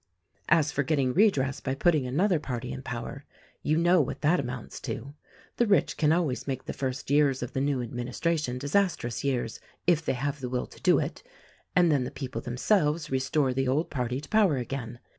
As for getting redress by putting another party in power — you know what that amounts to. The rich can always make the first years of the new admin istration disastrous years, if they have the will to do it — and then the people themselves restore the old party to power again.